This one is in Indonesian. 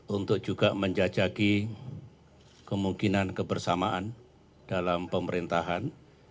untuk juga menjajaki kemungkinan kebersamaan dalam pemerintahan